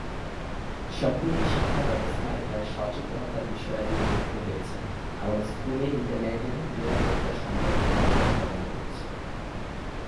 সম্প্রতি শিক্ষা ব্যবস্থায় এর সচেতনতার বিষয়াদি যুক্ত হয়েছে এবং স্কুলে ইন্টারনেটের নিরাপত্তা সম্পর্কে তথ্য প্রদান করছে।